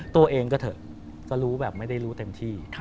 ตัวเองก็เถอะก็รู้แบบไม่ได้รู้เต็มที่